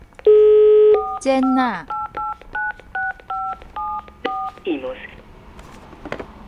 剪仔